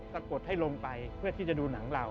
กดให้ลงไปเพื่อที่จะดูหนังเรา